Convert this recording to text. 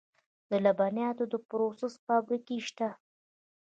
د لبنیاتو د پروسس فابریکې شته